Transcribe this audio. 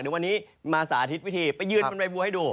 เดี๋ยววันนี้มาสาธิตวิธีไปยืนบนใบบัวให้ดู